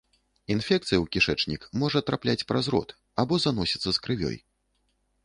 Інфекцыя ў кішэчнік можа трапляць праз рот або заносіцца з крывёй.